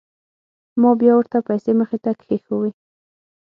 ما بيا ورته پيسې مخې ته كښېښووې.